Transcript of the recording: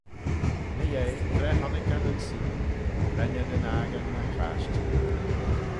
Ny-yeih tra honnick eh nyn seaghyn: ren eh nyn accan y chlashtyn.